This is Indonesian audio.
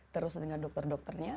terus dengan dokter dokternya